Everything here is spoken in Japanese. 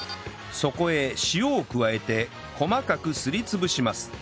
そこへ塩を加えて細かくすり潰します